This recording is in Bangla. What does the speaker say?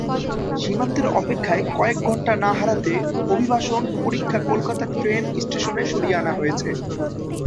সীমান্তের অপেক্ষায় কয়েক ঘণ্টা না হারাতে অভিবাসন পরীক্ষা কলকাতা ট্রেন স্টেশনে সরিয়ে আনা হয়েছে।